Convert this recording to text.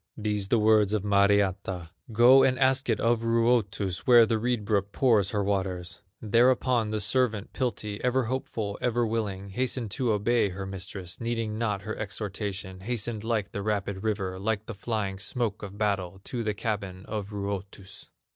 These the words of Mariatta: "Go and ask it of Ruotus, Where the reed brook pours her waters." Thereupon the servant, Piltti, Ever hopeful, ever willing, Hastened to obey her mistress, Needing not her exhortation; Hastened like the rapid river, Like the flying smoke of battle To the cabin of Ruotus.